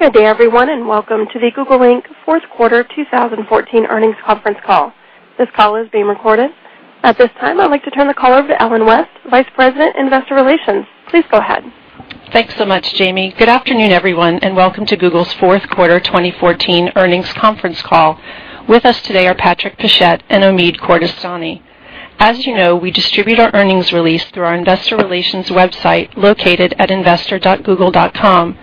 Good day, everyone, and Welcome to the Google Inc. fourth quarter 2014 earnings conference call. This call is being recorded. At this time, I'd like to turn the call over to Ellen West, Vice President, Investor Relations. Please go ahead. Thanks so much, Jamie. Good afternoon, everyone, and Welcome to Google's fourth quarter 2014 earnings conference call. With us today are Patrick Pichette and Omid Kordestani. As you know, we distribute our earnings release through our Investor Relations website located at investor.google.com.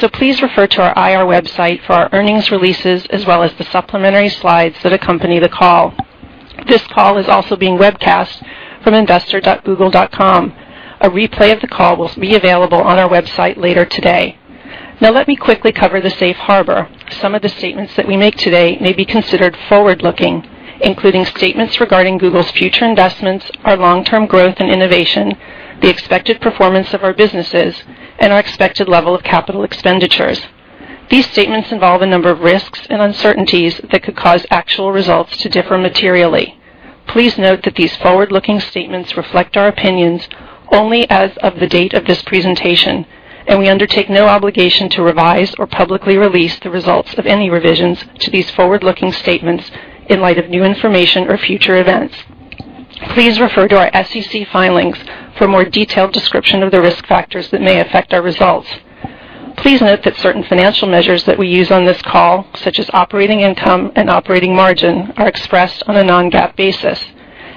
So please refer to our IR website for our earnings releases, as well as the supplementary slides that accompany the call. This call is also being webcast from investor.google.com. A replay of the call will be available on our website later today. Now, let me quickly cover the safe harbor. Some of the statements that we make today may be considered forward-looking, including statements regarding Google's future investments, our long-term growth and innovation, the expected performance of our businesses, and our expected level of capital expenditures. These statements involve a number of risks and uncertainties that could cause actual results to differ materially. Please note that these forward-looking statements reflect our opinions only as of the date of this presentation, and we undertake no obligation to revise or publicly release the results of any revisions to these forward-looking statements in light of new information or future events. Please refer to our SEC filings for a more detailed description of the risk factors that may affect our results. Please note that certain financial measures that we use on this call, such as Operating Income and Operating Margin, are expressed on a Non-GAAP basis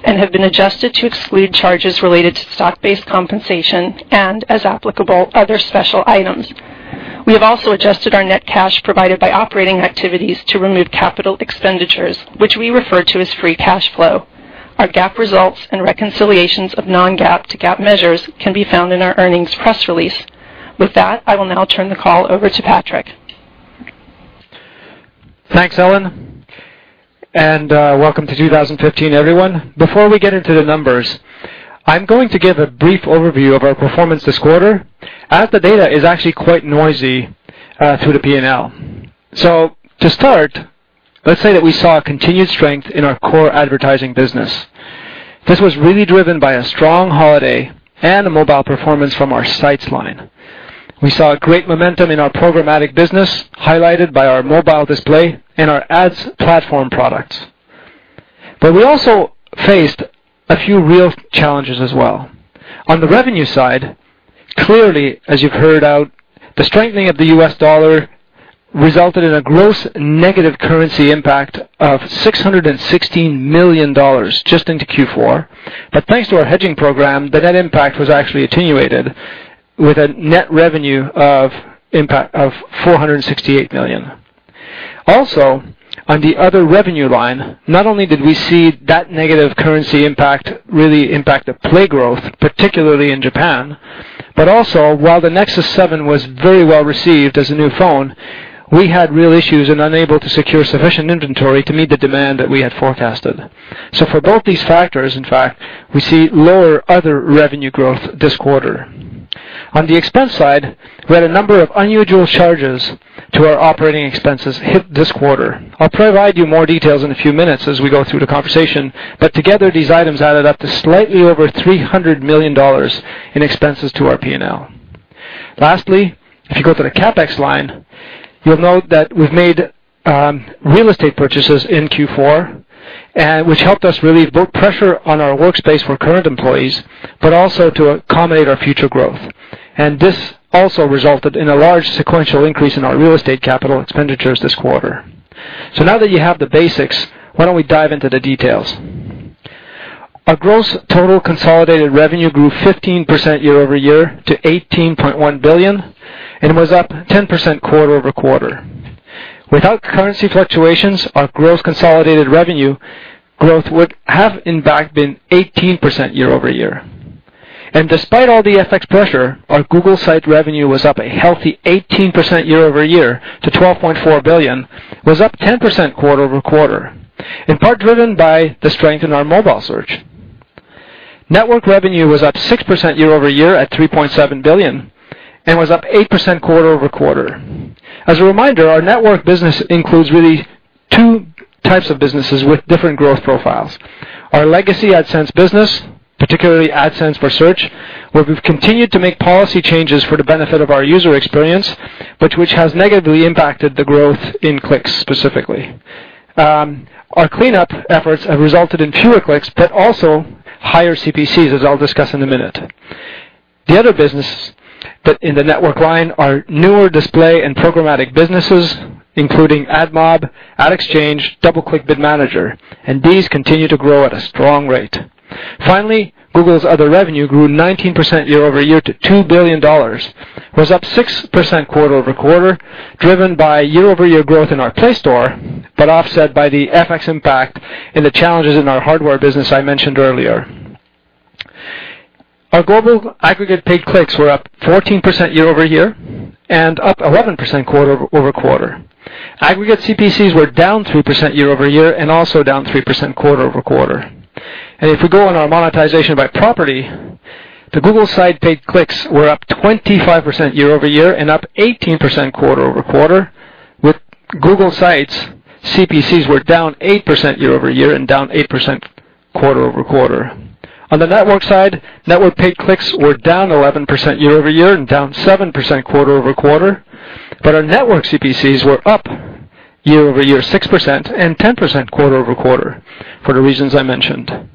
and have been adjusted to exclude charges related to Stock-Based Compensation and, as applicable, other special items. We have also adjusted our net cash provided by operating activities to remove Capital Expenditures, which we refer to as Free Cash Flow. Our GAAP results and reconciliations of Non-GAAP to GAAP measures can be found in our earnings press release. With that, I will now turn the call over to Patrick. Thanks, Ellen. And welcome to 2015, everyone. Before we get into the numbers, I'm going to give a brief overview of our performance this quarter, as the data is actually quite noisy through the P&L. So to start, let's say that we saw continued strength in our core advertising business. This was really driven by a strong holiday and mobile performance from our sites line. We saw great momentum in our programmatic business, highlighted by our mobile display and our ads platform products. But we also faced a few real challenges as well. On the revenue side, clearly, as you've heard out, the strengthening of the U.S. dollar resulted in a gross negative currency impact of $616 million just into Q4. But thanks to our hedging program, that impact was actually attenuated with a net revenue of $468 million. Also, on the other revenue line, not only did we see that negative currency impact really impact the Play growth, particularly in Japan, but also, while the Nexus 7 was very well received as a new phone, we had real issues and were unable to secure sufficient inventory to meet the demand that we had forecasted. So for both these factors, in fact, we see lower other revenue growth this quarter. On the expense side, we had a number of unusual charges to our operating expenses hit this quarter. I'll provide you more details in a few minutes as we go through the conversation, but together, these items added up to slightly over $300 million in expenses to our P&L. Lastly, if you go to the CapEx line, you'll note that we've made real estate purchases in Q4, which helped us relieve both pressure on our workspace for current employees, but also to accommodate our future growth. And this also resulted in a large sequential increase in our real estate capital expenditures this quarter. So now that you have the basics, why don't we dive into the details? Our gross total consolidated revenue grew 15% year-over-year to $18.1 billion and was up 10% quarter-over-quarter. Without currency fluctuations, our gross consolidated revenue growth would have, in fact, been 18% year-over-year. And despite all the FX pressure, our Google site revenue was up a healthy 18% year-over-year to $12.4 billion, was up 10% quarter-over-quarter, in part driven by the strength in our mobile search. Network revenue was up 6% year-over-year at $3.7 billion and was up 8% quarter-over-quarter. As a reminder, our network business includes really two types of businesses with different growth profiles. Our legacy AdSense business, particularly AdSense for Search, where we've continued to make policy changes for the benefit of our user experience, but which has negatively impacted the growth in clicks specifically. Our cleanup efforts have resulted in fewer clicks, but also higher CPCs, as I'll discuss in a minute. The other businesses in the network line are newer display and programmatic businesses, including AdMob, Ad Exchange, DoubleClick Bid Manager, and these continue to grow at a strong rate. Finally, Google's other revenue grew 19% year-over-year to $2 billion, was up 6% quarter-over-quarter, driven by year-over-year growth in our Play Store, but offset by the FX impact and the challenges in our hardware business I mentioned earlier. Our global aggregate paid clicks were up 14% year-over-year and up 11% quarter-over-quarter. Aggregate CPCs were down 3% year-over-year and also down 3% quarter-over-quarter, and if we go on our monetization by property, the Google Sites paid clicks were up 25% year-over-year and up 18% quarter-over-quarter. With Google Sites CPCs were down 8% year-over-year and down 8% quarter-over-quarter. On the network side, network paid clicks were down 11% year-over-year and down 7% quarter-over-quarter, but our network CPCs were up year-over-year 6% and 10% quarter-over-quarter for the reasons I mentioned.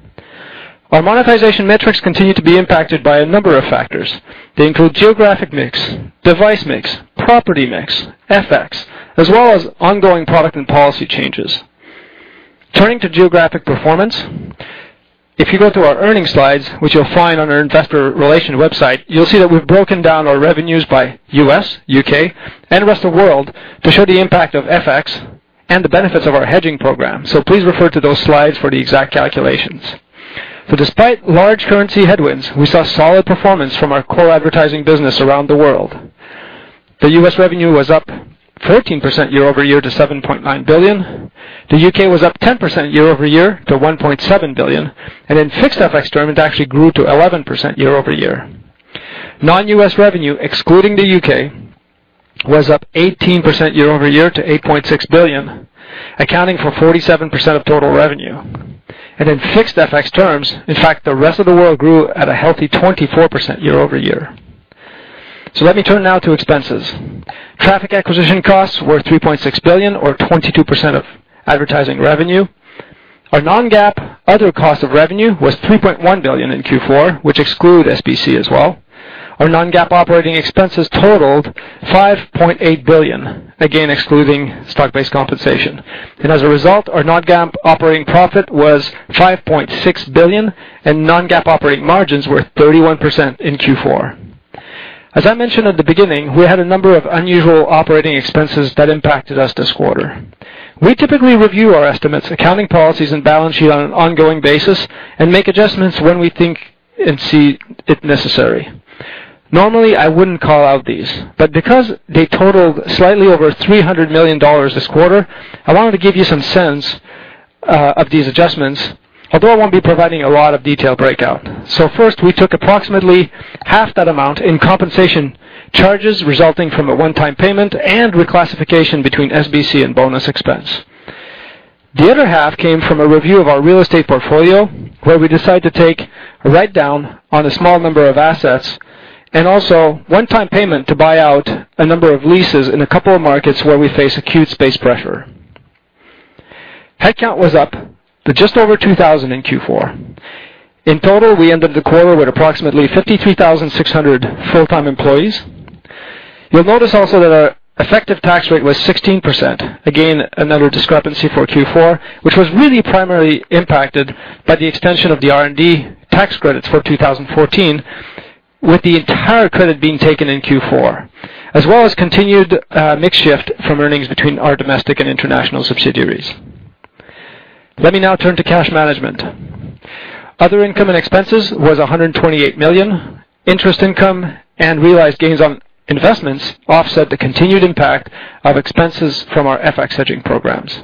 Our monetization metrics continue to be impacted by a number of factors. They include geographic mix, device mix, property mix, FX, as well as ongoing product and policy changes. Turning to geographic performance, if you go to our earnings slides, which you'll find on our Investor Relations website, you'll see that we've broken down our revenues by U.S., U.K., and rest of the world to show the impact of FX and the benefits of our hedging program. So please refer to those slides for the exact calculations. So despite large currency headwinds, we saw solid performance from our core advertising business around the world. The U.S. revenue was up 14% year-over-year to $7.9 billion. The U.K. was up 10% year-over-year to $1.7 billion, and in fixed FX terms, it actually grew to 11% year-over-year. Non-U.S. revenue, excluding the U.K., was up 18% year-over-year to $8.6 billion, accounting for 47% of total revenue, and in fixed FX terms, in fact, the rest of the world grew at a healthy 24% year-over-year, so let me turn now to expenses. Traffic acquisition costs were $3.6 billion, or 22% of advertising revenue. Our non-GAAP other cost of revenue was $3.1 billion in Q4, which excludes SBC as well. Our non-GAAP operating expenses totaled $5.8 billion, again excluding stock-based compensation, and as a result, our non-GAAP operating profit was $5.6 billion, and non-GAAP operating margins were 31% in Q4. As I mentioned at the beginning, we had a number of unusual operating expenses that impacted us this quarter. We typically review our estimates, accounting policies, and balance sheet on an ongoing basis and make adjustments when we think and see it necessary. Normally, I wouldn't call out these, but because they totaled slightly over $300 million this quarter, I wanted to give you some sense of these adjustments, although I won't be providing a lot of detailed breakout. So first, we took approximately $150 million in compensation charges resulting from a one-time payment and reclassification between SBC and bonus expense. The other half came from a review of our real estate portfolio, where we decided to take a write-down on a small number of assets and also one-time payment to buy out a number of leases in a couple of markets where we face acute space pressure. Headcount was up to just over 2,000 in Q4. In total, we ended the quarter with approximately 53,600 full-time employees. You'll notice also that our effective tax rate was 16%, again another discrepancy for Q4, which was really primarily impacted by the extension of the R&D tax credits for 2014, with the entire credit being taken in Q4, as well as continued mixed shift from earnings between our domestic and international subsidiaries. Let me now turn to cash management. Other income and expenses was $128 million. Interest income and realized gains on investments offset the continued impact of expenses from our FX hedging programs.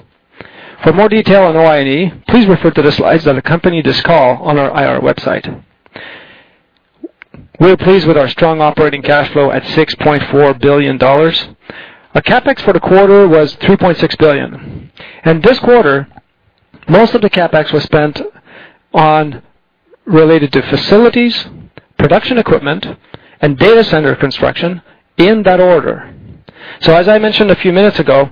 For more detail on OI&E, please refer to the slides that accompany this call on our IR website. We're pleased with our strong operating cash flow at $6.4 billion. Our CapEx for the quarter was $3.6 billion. This quarter, most of the CapEx was spent on related to facilities, production equipment, and data center construction, in that order. So as I mentioned a few minutes ago,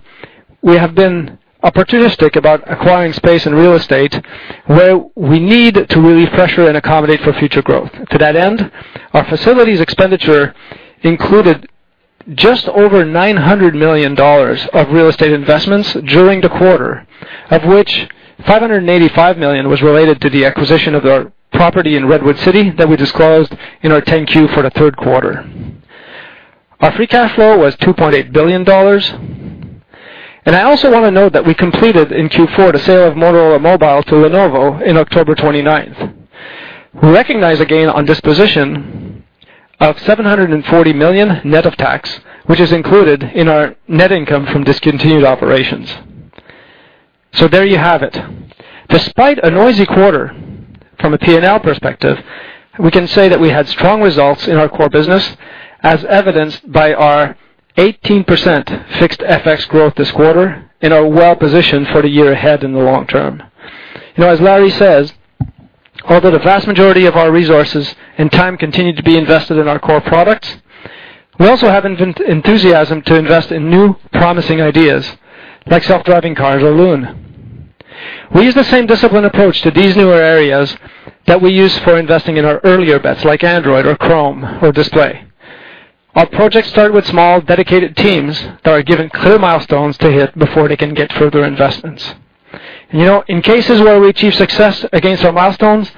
we have been opportunistic about acquiring space and real estate where we need to relieve pressure and accommodate for future growth. To that end, our facilities expenditure included just over $900 million of real estate investments during the quarter, of which $585 million was related to the acquisition of the property in Redwood City that we disclosed in our 10Q for the third quarter. Our free cash flow was $2.8 billion. I also want to note that we completed in Q4 the sale of Motorola Mobility to Lenovo on October 29th. We recognize a gain on disposition of $740 million net of tax, which is included in our net income from discontinued operations. So there you have it. Despite a noisy quarter, from a P&L perspective, we can say that we had strong results in our core business, as evidenced by our 18% fixed FX growth this quarter and we're well-positioned for the year ahead in the long term. As Larry says, although the vast majority of our resources and time continue to be invested in our core products, we also have enthusiasm to invest in new promising ideas like self-driving cars or Loon. We use the same disciplined approach to these newer areas that we use for investing in our earlier bets like Android or Chrome or Display. Our projects start with small dedicated teams that are given clear milestones to hit before they can get further investments. In cases where we achieve success against our milestones,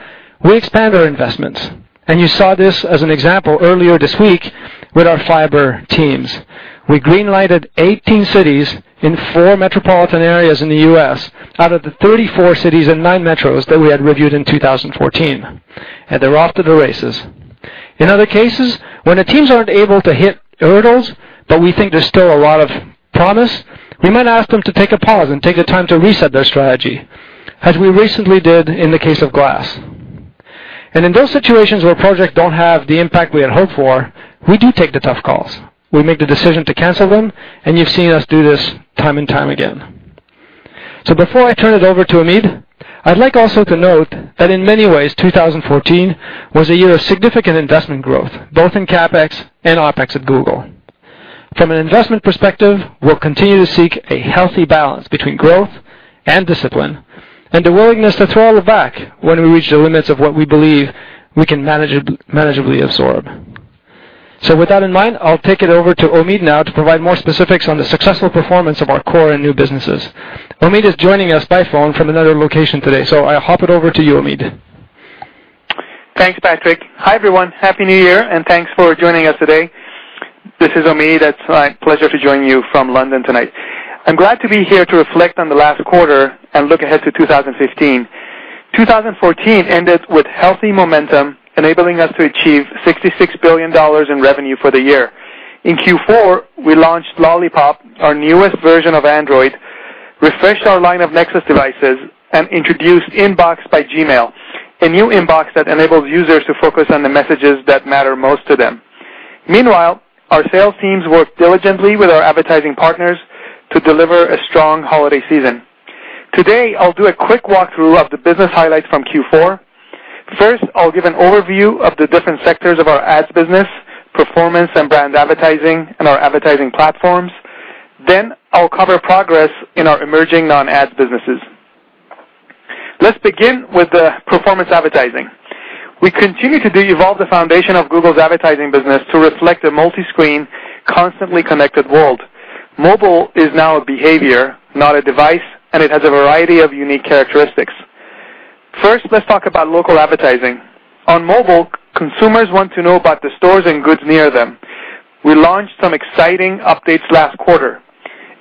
we expand our investments. You saw this as an example earlier this week with our fiber teams. We greenlighted 18 cities in four metropolitan areas in the U.S. out of the 34 cities and nine metros that we had reviewed in 2014. And they're off to the races. In other cases, when the teams aren't able to hit hurdles, but we think there's still a lot of promise, we might ask them to take a pause and take the time to reset their strategy, as we recently did in the case of Glass. And in those situations where projects don't have the impact we had hoped for, we do take the tough calls. We make the decision to cancel them, and you've seen us do this time and time again. So before I turn it over to Omid, I'd like also to note that in many ways, 2014 was a year of significant investment growth, both in CapEx and OpEx at Google. From an investment perspective, we'll continue to seek a healthy balance between growth and discipline and a willingness to throw all back when we reach the limits of what we believe we can manageably absorb. So with that in mind, I'll take it over to Omid now to provide more specifics on the successful performance of our core and new businesses. Omid is joining us by phone from another location today, so I'll hop it over to you, Omid. Thanks, Patrick. Hi, everyone. Happy New Year, and thanks for joining us today. This is Omid. It's my pleasure to join you from London tonight. I'm glad to be here to reflect on the last quarter and look ahead to 2015. 2014 ended with healthy momentum, enabling us to achieve $66 billion in revenue for the year. In Q4, we launched Lollipop, our newest version of Android, refreshed our line of Nexus devices, and introduced Inbox by Gmail, a new inbox that enables users to focus on the messages that matter most to them. Meanwhile, our sales teams worked diligently with our advertising partners to deliver a strong holiday season. Today, I'll do a quick walkthrough of the business highlights from Q4. First, I'll give an overview of the different sectors of our ads business, performance and brand advertising, and our advertising platforms. Then, I'll cover progress in our emerging non-ads businesses. Let's begin with the performance advertising. We continue to evolve the foundation of Google's advertising business to reflect a multi-screen, constantly connected world. Mobile is now a behavior, not a device, and it has a variety of unique characteristics. First, let's talk about local advertising. On mobile, consumers want to know about the stores and goods near them. We launched some exciting updates last quarter.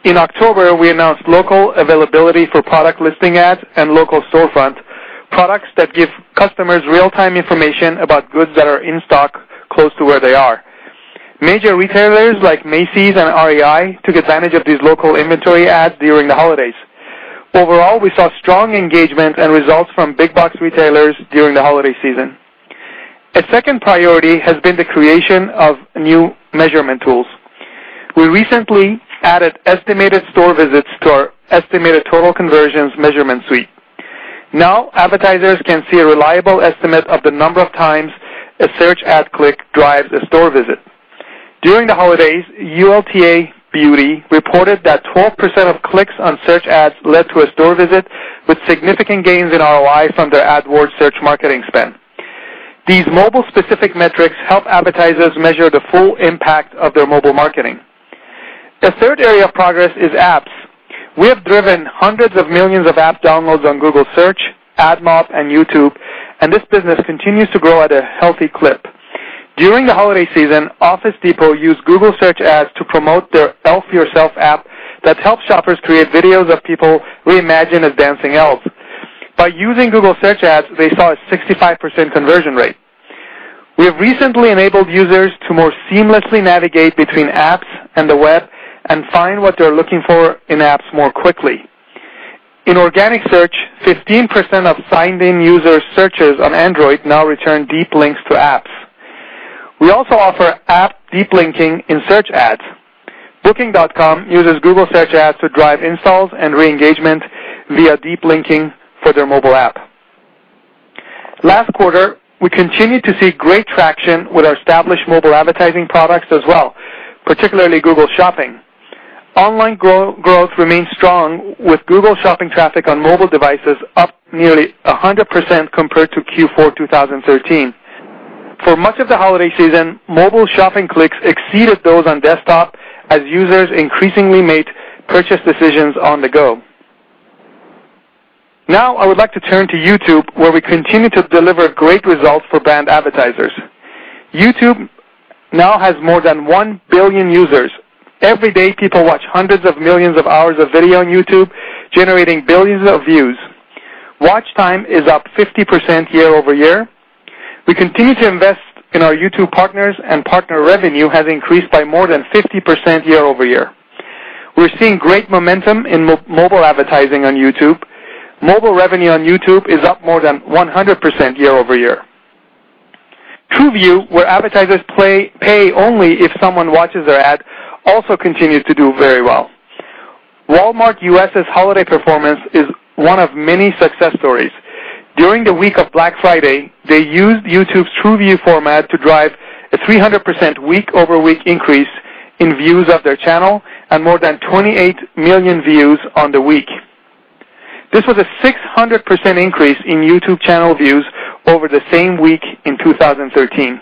In October, we announced local availability for product listing ads and local storefront products that give customers real-time information about goods that are in stock close to where they are. Major retailers like Macy's and REI took advantage of these local inventory ads during the holidays. Overall, we saw strong engagement and results from big-box retailers during the holiday season. A second priority has been the creation of new measurement tools. We recently added estimated store visits to our estimated total conversions measurement suite. Now, advertisers can see a reliable estimate of the number of times a search ad click drives a store visit. During the holidays, ULTA Beauty reported that 12% of clicks on search ads led to a store visit, with significant gains in ROI from their AdWords search marketing spend. These mobile-specific metrics help advertisers measure the full impact of their mobile marketing. The third area of progress is apps. We have driven hundreds of millions of app downloads on Google Search, AdMob, and YouTube, and this business continues to grow at a healthy clip. During the holiday season, Office Depot used Google Search ads to promote their Elf Yourself app that helps shoppers create videos of people we imagine as dancing elves. By using Google Search ads, they saw a 65% conversion rate. We have recently enabled users to more seamlessly navigate between apps and the web and find what they're looking for in apps more quickly. In organic search, 15% of signed-in users' searches on Android now return deep links to apps. We also offer app deep linking in search ads. Booking.com uses Google Search ads to drive installs and re-engagement via deep linking for their mobile app. Last quarter, we continued to see great traction with our established mobile advertising products as well, particularly Google Shopping. Online growth remained strong, with Google Shopping traffic on mobile devices up nearly 100% compared to Q4 2013. For much of the holiday season, mobile shopping clicks exceeded those on desktop as users increasingly made purchase decisions on the go. Now, I would like to turn to YouTube, where we continue to deliver great results for brand advertisers. YouTube now has more than 1 billion users. Every day, people watch hundreds of millions of hours of video on YouTube, generating billions of views. Watch time is up 50% year-over-year. We continue to invest in our YouTube partners, and partner revenue has increased by more than 50% year-over-year. We're seeing great momentum in mobile advertising on YouTube. Mobile revenue on YouTube is up more than 100% year-over-year. TrueView, where advertisers pay only if someone watches their ad, also continues to do very well. Walmart U.S.'s holiday performance is one of many success stories. During the week of Black Friday, they used YouTube's TrueView format to drive a 300% week-over-week increase in views of their channel and more than 28 million views on the week. This was a 600% increase in YouTube channel views over the same week in 2013.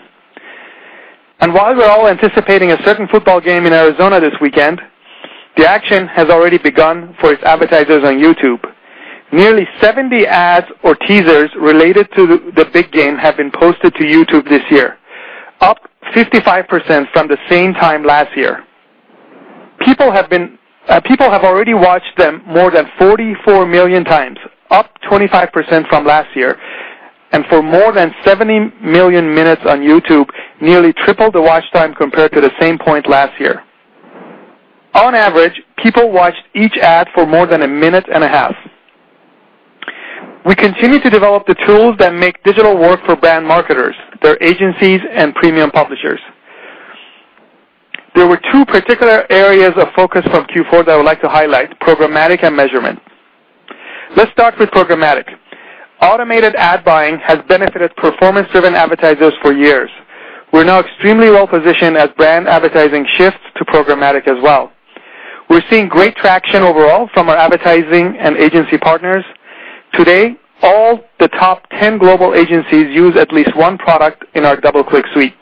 While we're all anticipating a certain football game in Arizona this weekend, the action has already begun for its advertisers on YouTube. Nearly 70 ads or teasers related to the big game have been posted to YouTube this year, up 55% from the same time last year. People have already watched them more than 44 million times, up 25% from last year. For more than 70 million minutes on YouTube, nearly tripled the watch time compared to the same point last year. On average, people watched each ad for more than a minute and a half. We continue to develop the tools that make digital work for brand marketers, their agencies, and premium publishers. There were two particular areas of focus from Q4 that I would like to highlight: programmatic and measurement. Let's start with programmatic. Automated ad buying has benefited performance-driven advertisers for years. We're now extremely well-positioned as brand advertising shifts to programmatic as well. We're seeing great traction overall from our advertising and agency partners. Today, all the top 10 global agencies use at least one product in our DoubleClick suite.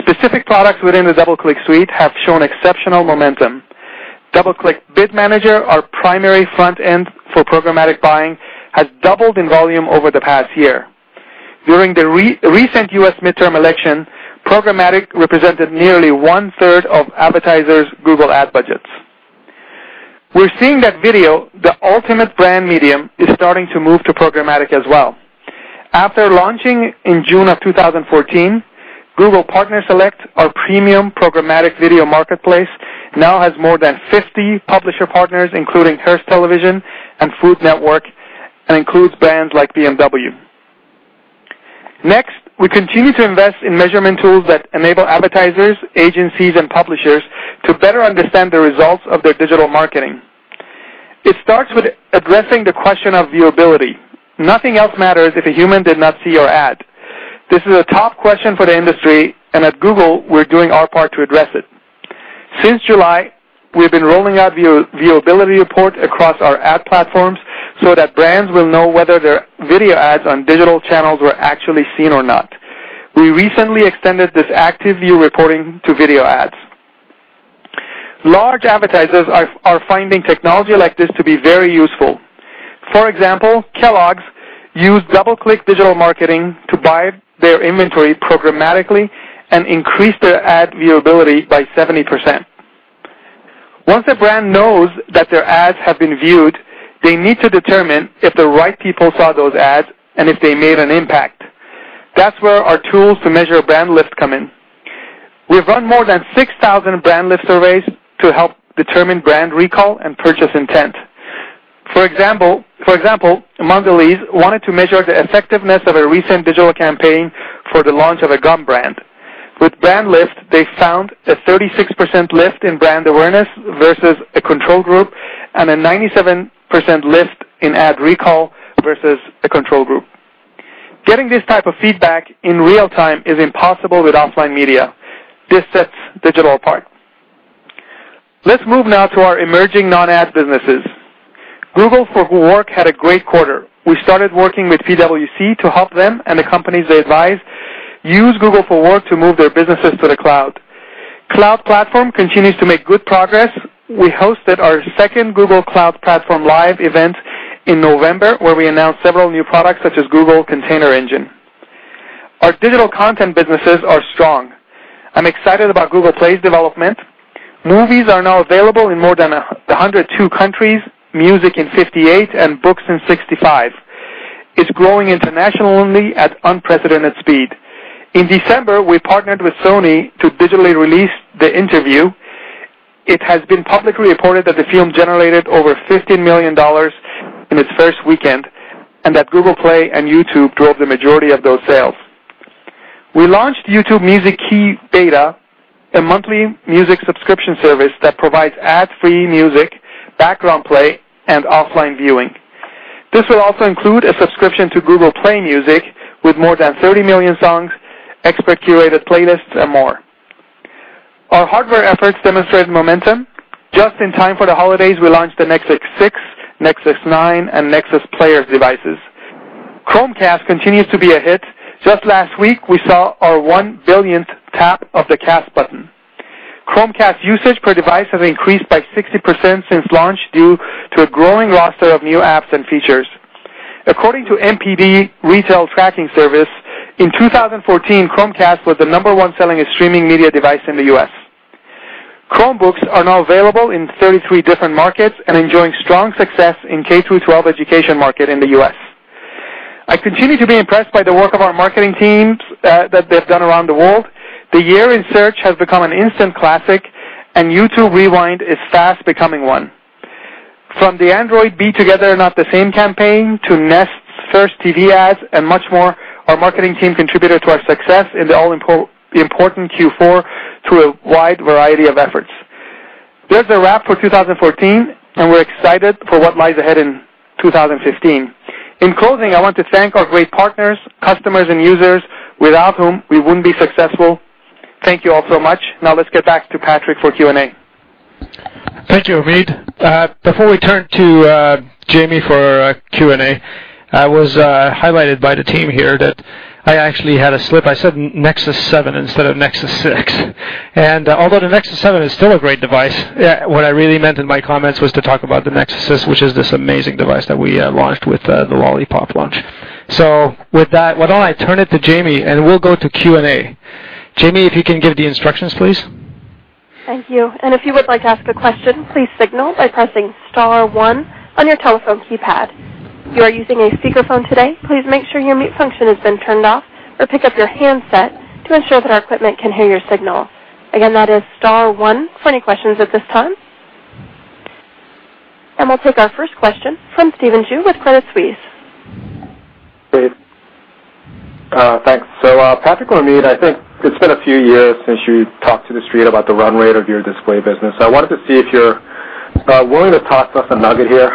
Specific products within the DoubleClick suite have shown exceptional momentum. DoubleClick Bid Manager, our primary front end for programmatic buying, has doubled in volume over the past year. During the recent U.S. midterm election, programmatic represented nearly one-third of advertisers' Google ad budgets. We're seeing that video, the ultimate brand medium, is starting to move to programmatic as well. After launching in June of 2014, Google Partner Select, our premium programmatic video marketplace, now has more than 50 publisher partners, including Hearst Television and Food Network, and includes brands like BMW. Next, we continue to invest in measurement tools that enable advertisers, agencies, and publishers to better understand the results of their digital marketing. It starts with addressing the question of viewability. Nothing else matters if a human did not see your ad. This is a top question for the industry, and at Google, we're doing our part to address it. Since July, we've been rolling out viewability reports across our ad platforms so that brands will know whether their video ads on digital channels were actually seen or not. We recently extended this Active View reporting to video ads. Large advertisers are finding technology like this to be very useful. For example, Kellogg's used DoubleClick digital marketing to buy their inventory programmatically and increase their ad viewability by 70%. Once a brand knows that their ads have been viewed, they need to determine if the right people saw those ads and if they made an impact. That's where our tools to measure Brand Lift come in. We've run more than 6,000 Brand Lift surveys to help determine brand recall and purchase intent. For example, Mondelez wanted to measure the effectiveness of a recent digital campaign for the launch of a gum brand. With Brand Lift, they found a 36% lift in brand awareness versus a control group and a 97% lift in ad recall versus a control group. Getting this type of feedback in real time is impossible with offline media. This sets digital apart. Let's move now to our emerging non-ad businesses. Google for Work had a great quarter. We started working with PwC to help them and the companies they advise use Google for Work to move their businesses to the cloud. Cloud Platform continues to make good progress. We hosted our second Google Cloud Platform Live event in November, where we announced several new products such as Google Container Engine. Our digital content businesses are strong. I'm excited about Google Play's development. Movies are now available in more than 102 countries, music in 58, and books in 65. It's growing internationally at unprecedented speed. In December, we partnered with Sony to digitally release The Interview. It has been publicly reported that the film generated over $15 million in its first weekend and that Google Play and YouTube drove the majority of those sales. We launched YouTube Music Key Beta, a monthly music subscription service that provides ad-free music, background play, and offline viewing. This will also include a subscription to Google Play Music with more than 30 million songs, expert-curated playlists, and more. Our hardware efforts demonstrate momentum. Just in time for the holidays, we launched the Nexus 6, Nexus 9, and Nexus Player devices. Chromecast continues to be a hit. Just last week, we saw our one billionth tap of the cast button. Chromecast usage per device has increased by 60% since launch due to a growing roster of new apps and features. According to NPD Retail Tracking Service, in 2014, Chromecast was the number one selling streaming media device in the U.S. Chromebooks are now available in 33 different markets and enjoying strong success in K-12 education market in the U.S. I continue to be impressed by the work of our marketing teams that they've done around the world. The year in search has become an instant classic, and YouTube Rewind is fast becoming one. From the Android Be Together Not the Same campaign to Nest's first TV ads and much more, our marketing team contributed to our success in the all-important Q4 through a wide variety of efforts. There's a wrap for 2014, and we're excited for what lies ahead in 2015. In closing, I want to thank our great partners, customers, and users without whom we wouldn't be successful. Thank you all so much. Now, let's get back to Patrick for Q&A. Thank you, Omid. Before we turn to Jamie for Q&A, I was highlighted by the team here that I actually had a slip. I said Nexus 7 instead of Nexus 6. And although the Nexus 7 is still a great device, what I really meant in my comments was to talk about the Nexus 6, which is this amazing device that we launched with the Lollipop launch. So with that, why don't I turn it to Jamie, and we'll go to Q&A. Jamie, if you can give the instructions, please. Thank you. And if you would like to ask a question, please signal by pressing Star 1 on your telephone keypad. If you are using a speakerphone today, please make sure your mute function has been turned off or pick up your handset to ensure that our equipment can hear your signal. Again, that is Star 1 for any questions at this time. And we'll take our first question from Stephen Ju with Credit Suisse. Great. Thanks. So Patrick or Omid, I think it's been a few years since you talked to the street about the run rate of your display business. I wanted to see if you're willing to toss us a nugget here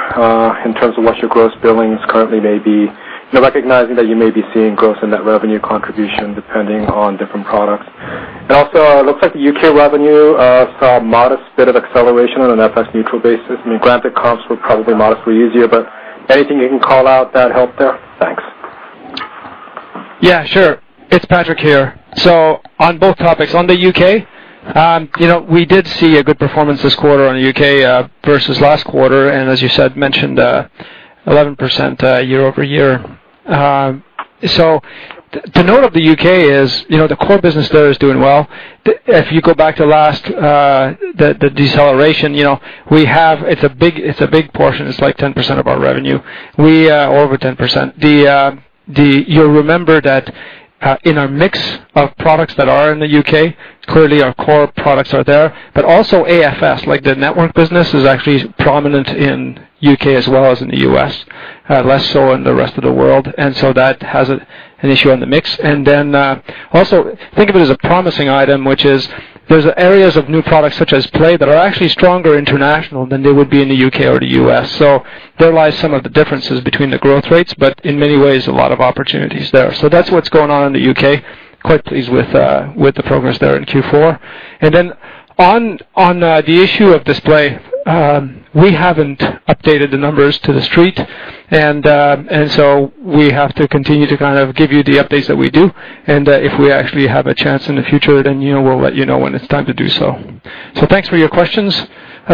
in terms of what your gross billings currently may be, recognizing that you may be seeing gross and net revenue contribution depending on different products. And also, it looks like the UK revenue saw a modest bit of acceleration on an FX neutral basis. I mean, granted, comps were probably modestly easier, but anything you can call out that helped there? Thanks. Yeah, sure. It's Patrick here. So on both topics, on the UK, we did see a good performance this quarter on the UK versus last quarter, and as you mentioned, 11% year-over-year. So to note of the UK is the core business there is doing well. If you go back to last, the deceleration, we have it's a big portion. It's like 10% of our revenue, or over 10%. You'll remember that in our mix of products that are in the UK, clearly our core products are there, but also AFS, like the network business, is actually prominent in the UK as well as in the US, less so in the rest of the world. And so that has an issue on the mix. And then also think of it as a promising item, which is there's areas of new products such as Play that are actually stronger international than they would be in the U.K. or the U.S. So there lies some of the differences between the growth rates, but in many ways, a lot of opportunities there. So that's what's going on in the U.K. Quite pleased with the progress there in Q4. And then on the issue of display, we haven't updated the numbers to the street. And so we have to continue to kind of give you the updates that we do. And if we actually have a chance in the future, then we'll let you know when it's time to do so. So thanks for your questions,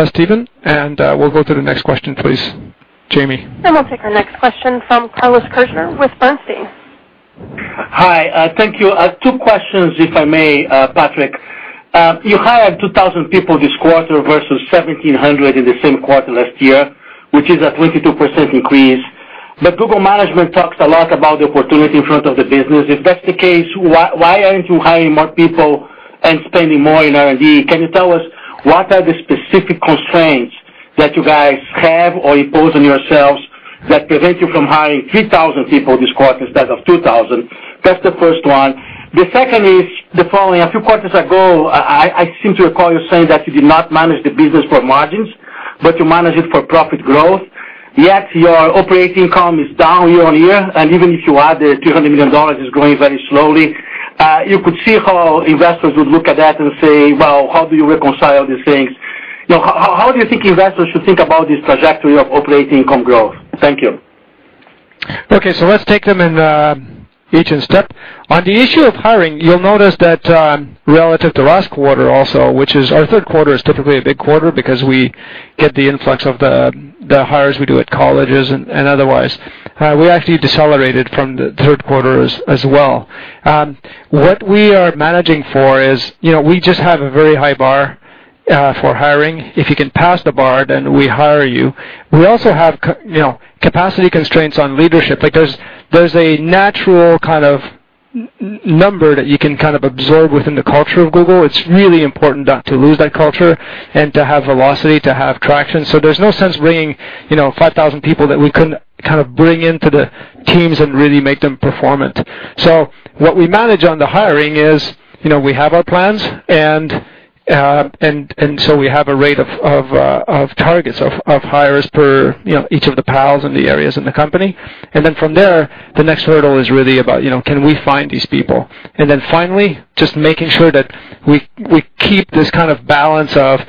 Stephen. And we'll go to the next question, please, Jamie. And we'll take our next question from Carlos Kirjner with Bernstein. Hi. Thank you. Two questions, if I may, Patrick. You hired 2,000 people this quarter versus 1,700 in the same quarter last year, which is a 22% increase. But Google management talks a lot about the opportunity in front of the business. If that's the case, why aren't you hiring more people and spending more in R&D? Can you tell us what are the specific constraints that you guys have or impose on yourselves that prevent you from hiring 3,000 people this quarter instead of 2,000? That's the first one. The second is the following. A few quarters ago, I seem to recall you saying that you did not manage the business for margins, but you manage it for profit growth. Yet your operating income is down year on year. And even if you add the $200 million is growing very slowly, you could see how investors would look at that and say, "Well, how do you reconcile these things?" How do you think investors should think about this trajectory of operating income growth? Thank you. Okay. So let's take them in each in step. On the issue of hiring, you'll notice that relative to last quarter also, which is our third quarter is typically a big quarter because we get the influx of the hires we do at colleges and otherwise. We actually decelerated from the third quarter as well. What we are managing for is we just have a very high bar for hiring. If you can pass the bar, then we hire you. We also have capacity constraints on leadership. There's a natural kind of number that you can kind of absorb within the culture of Google. It's really important not to lose that culture and to have velocity, to have traction. So there's no sense bringing 5,000 people that we couldn't kind of bring into the teams and really make them performant. So what we manage on the hiring is we have our plans, and so we have a rate of targets of hires per each of the P&Ls and the areas in the company. And then from there, the next hurdle is really about can we find these people? And then finally, just making sure that we keep this kind of balance of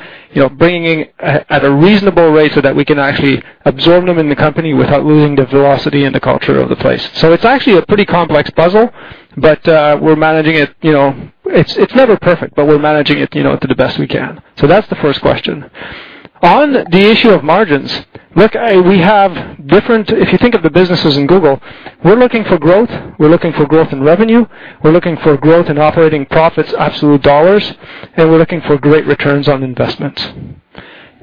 bringing at a reasonable rate so that we can actually absorb them in the company without losing the velocity and the culture of the place. So it's actually a pretty complex puzzle, but we're managing it. It's never perfect, but we're managing it to the best we can. So that's the first question. On the issue of margins, look, we have different if you think of the businesses in Google, we're looking for growth. We're looking for growth in revenue. We're looking for growth in operating profits, absolute dollars, and we're looking for great returns on investments.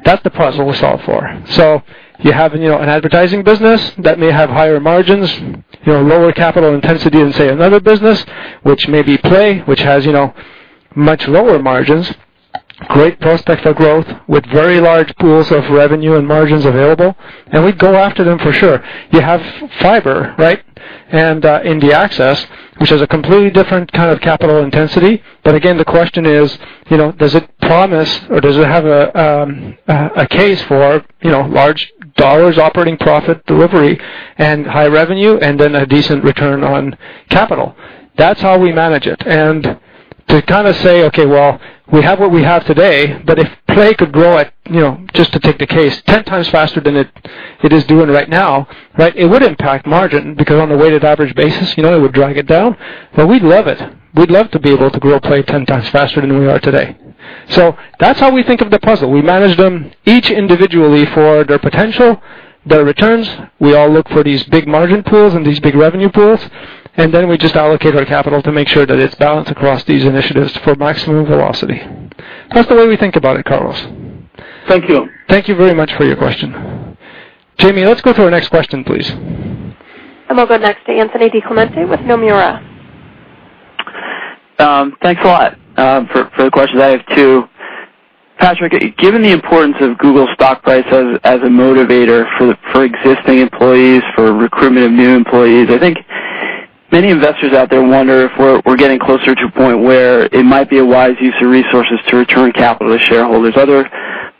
That's the puzzle we solve for. So you have an advertising business that may have higher margins, lower capital intensity than, say, another business, which may be Play, which has much lower margins, great prospects for growth with very large pools of revenue and margins available. And we'd go after them for sure. You have fiber, right, and in the access, which has a completely different kind of capital intensity. But again, the question is, does it promise or does it have a case for large dollars operating profit delivery and high revenue and then a decent return on capital? That's how we manage it. And to kind of say, "Okay, well, we have what we have today, but if Play could grow at, just to take the case, 10 times faster than it is doing right now," right, it would impact margin because on the weighted average basis, it would drag it down. But we'd love it. We'd love to be able to grow Play 10 times faster than we are today. So that's how we think of the puzzle. We manage them each individually for their potential, their returns. We all look for these big margin pools and these big revenue pools, and then we just allocate our capital to make sure that it's balanced across these initiatives for maximum velocity. That's the way we think about it, Carlos. Thank you. Thank you very much for your question. Jamie, let's go to our next question, please. We'll go next to Anthony DiClemente with Nomura. Thanks a lot for the questions. I have two. Patrick, given the importance of Google stock price as a motivator for existing employees, for recruitment of new employees, I think many investors out there wonder if we're getting closer to a point where it might be a wise use of resources to return capital to shareholders. Other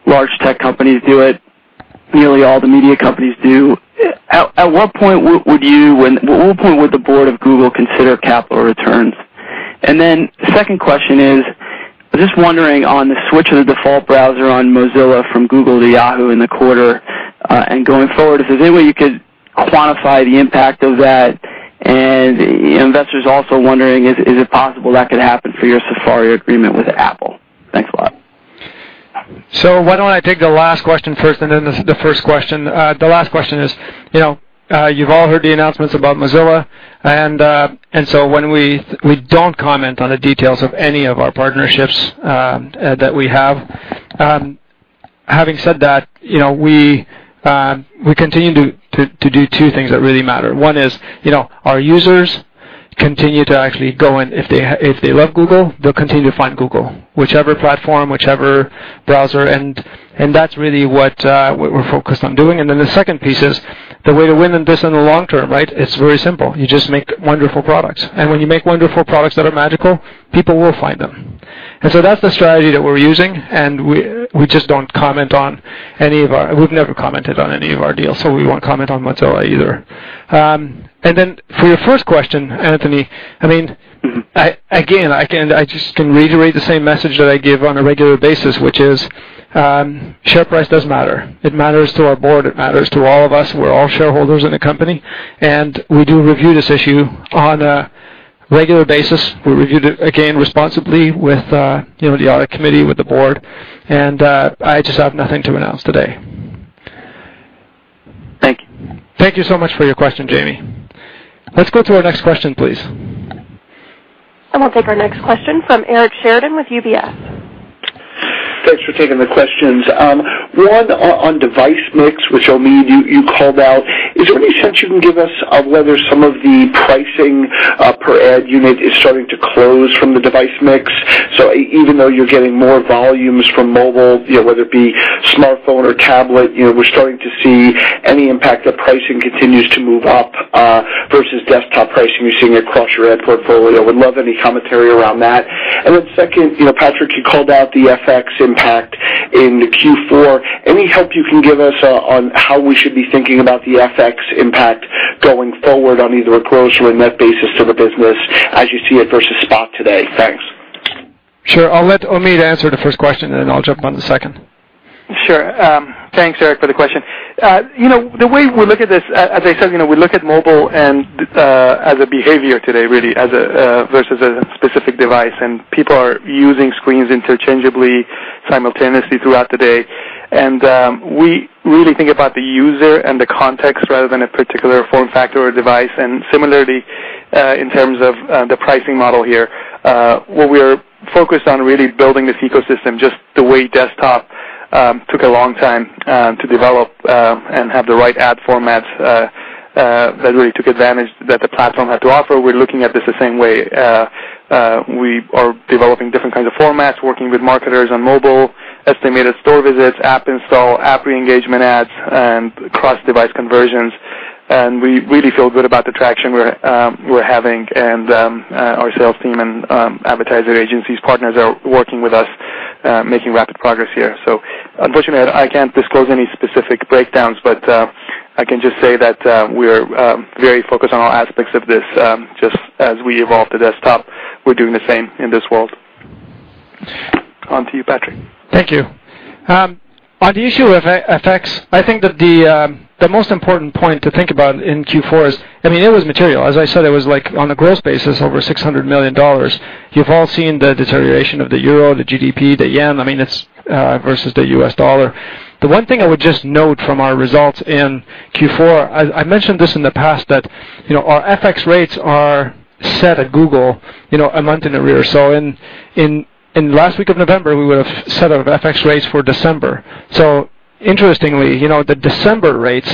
large tech companies do it. Nearly all the media companies do. At what point would the board of Google consider capital returns? And then the second question is just wondering on the switch of the default browser on Mozilla from Google to Yahoo in the quarter and going forward, if there's any way you could quantify the impact of that. And investors also wondering, is it possible that could happen for your Safari agreement with Apple? Thanks a lot. So why don't I take the last question first and then the first question? The last question is you've all heard the announcements about Mozilla, and so we don't comment on the details of any of our partnerships that we have. Having said that, we continue to do two things that really matter. One is our users continue to actually go in. If they love Google, they'll continue to find Google, whichever platform, whichever browser. And that's really what we're focused on doing. And then the second piece is the way to win this in the long term, right? It's very simple. You just make wonderful products. And when you make wonderful products that are magical, people will find them. And so that's the strategy that we're using. And we just don't comment on any of our deals. We've never commented on any of our deals, so we won't comment on Mozilla either. And then for your first question, Anthony, I mean, again, I just can reiterate the same message that I give on a regular basis, which is share price does matter. It matters to our board. It matters to all of us. We're all shareholders in the company. And we do review this issue on a regular basis. We reviewed it, again, responsibly with the audit committee, with the board. And I just have nothing to announce today. Thank you. Thank you so much for your question, Jamie. Let's go to our next question, please. We'll take our next question from Eric Sheridan with UBS. Thanks for taking the questions. One on device mix, which, Omid, you called out. Is there any sense you can give us of whether some of the pricing per ad unit is starting to close from the device mix? So even though you're getting more volumes from mobile, whether it be smartphone or tablet, we're starting to see any impact if pricing continues to move up versus desktop pricing you're seeing across your ad portfolio. Would love any commentary around that. And then second, Patrick, you called out the FX impact in Q4. Any help you can give us on how we should be thinking about the FX impact going forward on either a gross or a net basis to the business as you see it versus spot today? Thanks. Sure. I'll let Omid answer the first question, and then I'll jump on the second. Sure. Thanks, Eric, for the question. The way we look at this, as I said, we look at mobile as a behavior today, really, versus a specific device. And people are using screens interchangeably, simultaneously throughout the day. And we really think about the user and the context rather than a particular form factor or device. And similarly, in terms of the pricing model here, we're focused on really building this ecosystem. Just the way desktop took a long time to develop and have the right ad formats that really took advantage that the platform had to offer, we're looking at this the same way. We are developing different kinds of formats, working with marketers on mobile, estimated store visits, app install, app re-engagement ads, and cross-device conversions. And we really feel good about the traction we're having. Our sales team and advertising agencies and partners are working with us, making rapid progress here. Unfortunately, I can't disclose any specific breakdowns, but I can just say that we're very focused on all aspects of this. Just as we evolve the desktop, we're doing the same in this world. On to you, Patrick. Thank you. On the issue of FX, I think that the most important point to think about in Q4 is, I mean, it was material. As I said, it was on a gross basis over $600 million. You've all seen the deterioration of the euro, the GBP, the yen, I mean, versus the U.S. dollar. The one thing I would just note from our results in Q4, I mentioned this in the past, that our FX rates are set at Google a month in arrears. So in last week of November, we would have set our FX rates for December. So interestingly, the December rates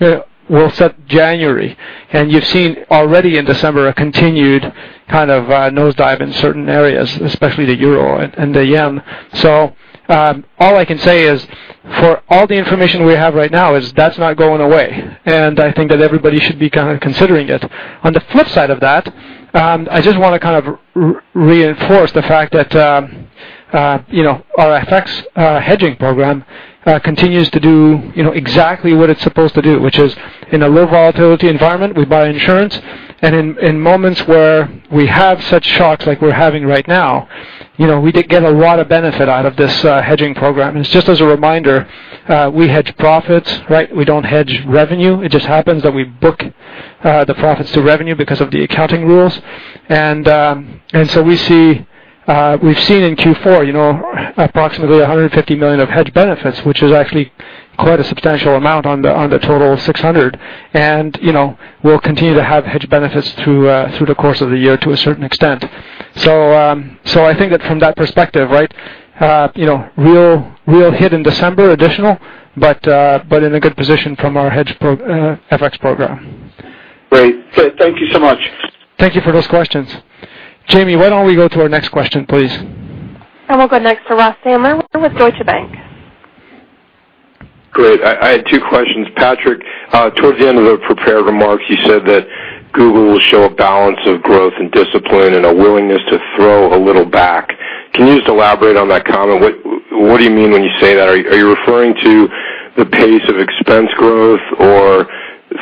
will be set for January. And you've seen already in December a continued kind of nosedive in certain areas, especially the euro and the yen. So all I can say is for all the information we have right now, that's not going away. I think that everybody should be kind of considering it. On the flip side of that, I just want to kind of reinforce the fact that our FX hedging program continues to do exactly what it's supposed to do, which is in a low volatility environment, we buy insurance. In moments where we have such shocks like we're having right now, we did get a lot of benefit out of this hedging program. Just as a reminder, we hedge profits, right? We don't hedge revenue. It just happens that we book the profits to revenue because of the accounting rules. We've seen in Q4 approximately $150 million of hedge benefits, which is actually quite a substantial amount on the total $600 million. We'll continue to have hedge benefits through the course of the year to a certain extent. So I think that from that perspective, right, real hit in December, additional, but in a good position from our FX program. Great. Thank you so much. Thank you for those questions. Jamie, why don't we go to our next question, please? We'll go next to Ross Sandler with Deutsche Bank. Great. I had two questions. Patrick, towards the end of the prepared remarks, you said that Google will show a balance of growth and discipline and a willingness to throw a little back. Can you just elaborate on that comment? What do you mean when you say that? Are you referring to the pace of expense growth or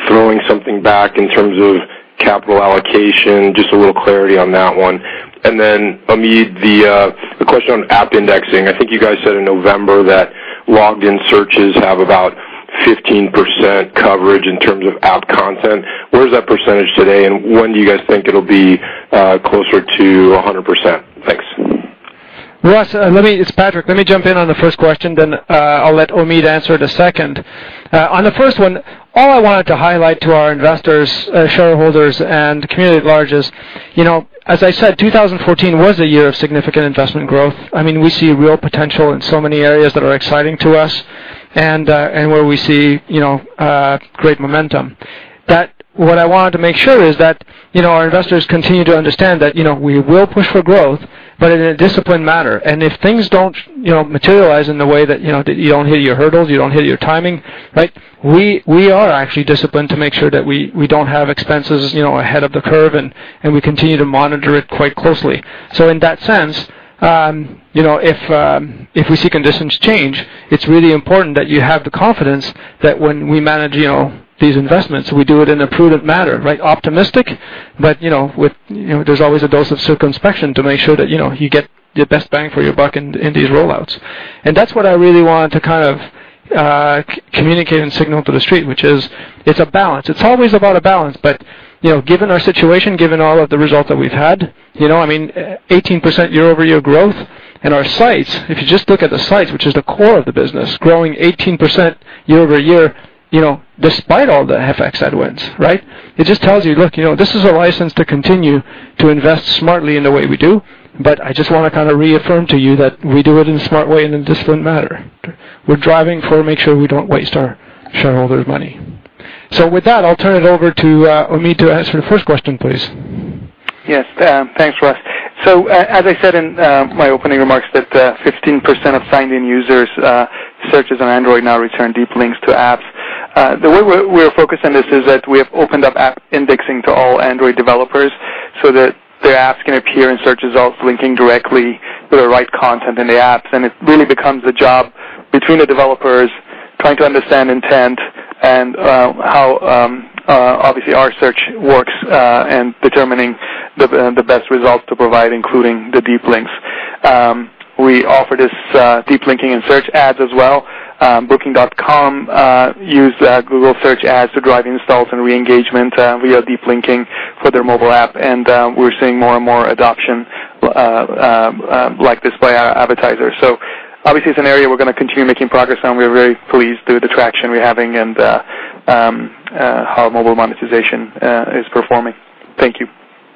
throwing something back in terms of capital allocation? Just a little clarity on that one. And then, Omid, the question on app indexing. I think you guys said in November that logged-in searches have about 15% coverage in terms of app content. Where's that percentage today? And when do you guys think it'll be closer to 100%? Thanks. Ross, it's Patrick. Let me jump in on the first question, then I'll let Omid answer the second. On the first one, all I wanted to highlight to our investors, shareholders, and community at large is, as I said, 2014 was a year of significant investment growth. I mean, we see real potential in so many areas that are exciting to us and where we see great momentum. What I wanted to make sure is that our investors continue to understand that we will push for growth, but in a disciplined manner. And if things don't materialize in the way that you don't hit your hurdles, you don't hit your timing, right, we are actually disciplined to make sure that we don't have expenses ahead of the curve and we continue to monitor it quite closely. So in that sense, if we see conditions change, it's really important that you have the confidence that when we manage these investments, we do it in a prudent manner, right? Optimistic, but there's always a dose of circumspection to make sure that you get the best bang for your buck in these rollouts. And that's what I really wanted to kind of communicate and signal to the street, which is it's a balance. It's always about a balance, but given our situation, given all of the results that we've had, I mean, 18% year-over-year growth. And our sites, if you just look at the sites, which is the core of the business, growing 18% year-over-year despite all the FX headwinds, right? It just tells you, look, this is a license to continue to invest smartly in the way we do, but I just want to kind of reaffirm to you that we do it in a smart way and in a disciplined manner. We're driving for make sure we don't waste our shareholders' money. So with that, I'll turn it over to Omid to answer the first question, please. Yes. Thanks, Ross. So as I said in my opening remarks, that 15% of signed-in users' searches on Android now return deep links to apps. The way we're focused on this is that we have opened up app indexing to all Android developers so that their apps can appear in search results linking directly to the right content in the apps. And it really becomes the job between the developers trying to understand intent and how, obviously, our search works and determining the best results to provide, including the deep links. We offer this deep linking in search ads as well. Booking.com used Google Search ads to drive installs and re-engagement via deep linking for their mobile app. And we're seeing more and more adoption like this by our advertisers. So obviously, it's an area we're going to continue making progress on. We're very pleased with the traction we're having and how mobile monetization is performing. Thank you.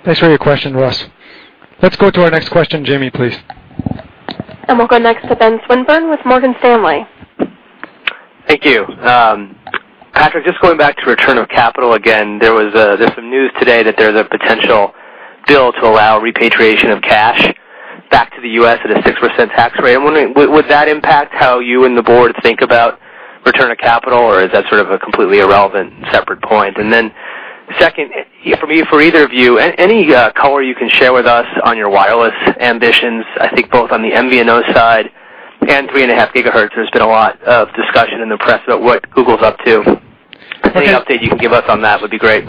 Thanks for your question, Ross. Let's go to our next question, Jamie, please. We'll go next to Ben Swinburne with Morgan Stanley. Thank you. Patrick, just going back to return of capital again, there's some news today that there's a potential bill to allow repatriation of cash back to the U.S. at a 6% tax rate. I'm wondering, would that impact how you and the board think about return of capital, or is that sort of a completely irrelevant separate point? And then second, for either of you, any color you can share with us on your wireless ambitions, I think both on the MVNO side and 3.5 gigahertz, there's been a lot of discussion in the press about what Google's up to. Any update you can give us on that would be great.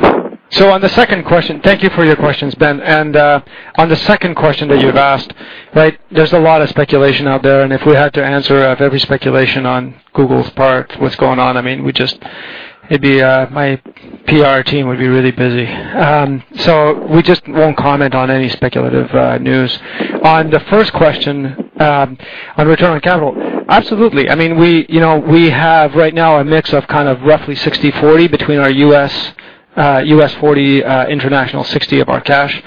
On the second question, thank you for your questions, Ben. On the second question that you've asked, right, there's a lot of speculation out there. And if we had to answer every speculation on Google's part, what's going on, I mean, it'd be my PR team would be really busy. So we just won't comment on any speculative news. On the first question on return on capital, absolutely. I mean, we have right now a mix of kind of roughly 60/40 between our U.S. and international of our cash.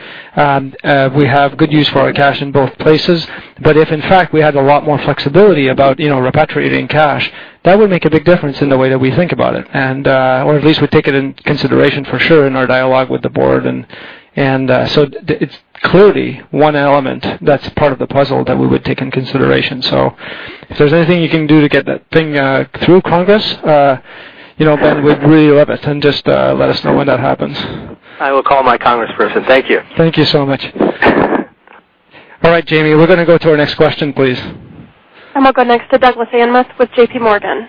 We have good use for our cash in both places. But if in fact we had a lot more flexibility about repatriating cash, that would make a big difference in the way that we think about it, or at least we take it into consideration for sure in our dialogue with the board. And so it's clearly one element that's part of the puzzle that we would take into consideration. So if there's anything you can do to get that thing through Congress, Ben, we'd really love it. And just let us know when that happens. I will call my congressperson. Thank you. Thank you so much. All right, Jamie. We're going to go to our next question, please. We'll go next to Douglas Anmuth with J.P. Morgan.